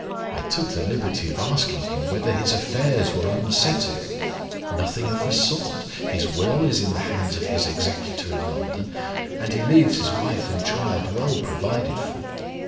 I took the liberty of asking him whether his affairs were unsettled. Nothing of the sort. His will is in the hands of his executor in London, and he leaves his wife and child well provided for.